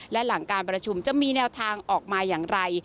และหลังการประชุมจะมีแนวทางออกมาอย่างไร